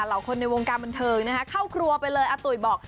คนในวงการบันเทิงนะคะเข้าครัวไปเลยอาตุ๋ยบอก